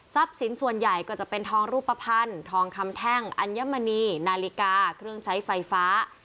สินส่วนใหญ่ก็จะเป็นทองรูปภัณฑ์ทองคำแท่งอัญมณีนาฬิกาเครื่องใช้ไฟฟ้า